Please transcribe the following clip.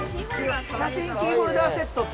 写真キーホルダーセットと。